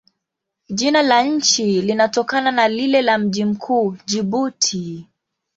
Jina la nchi linatokana na lile la mji mkuu, Jibuti.